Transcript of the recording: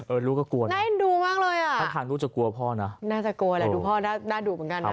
เอิ้นลูกก็กลัวนะน่าจะกลัวแหละดูพ่อน่าดูดเหมือนกันมาก